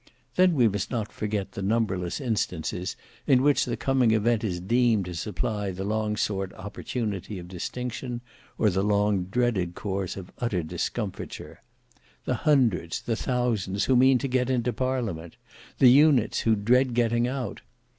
Then we must not forget the numberless instances in which the coming event is deemed to supply the long sought opportunity of distinction, or the long dreaded cause of utter discomfiture; the hundreds, the thousands, who mean to get into parliament, the units who dread getting out.